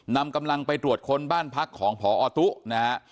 นำกำลังไปตรวจค้นบ้านพักของพอตู้นะฮะ